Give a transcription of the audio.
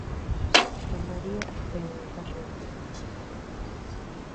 Ta María jeakuta.